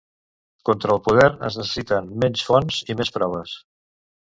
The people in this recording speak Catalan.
Contra el poder es necessiten menys fonts i més proves.